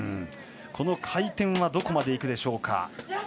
この回転はどこまでいくでしょうか。